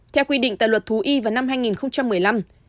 theo quy định tại luật thú y vào năm hai nghìn một mươi năm